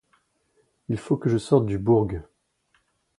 Il faut que je sorte du burg…